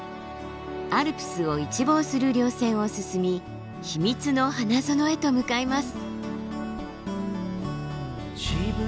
アルプスを一望する稜線を進み秘密の花園へと向かいます。